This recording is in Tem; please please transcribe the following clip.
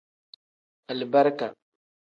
Alibarika.